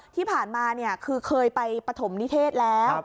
ที่ผ่านมาเนี่ยคือเคยไปประธมนิเทศแล้ว